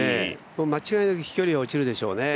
間違いなく飛距離は落ちるでしょうね。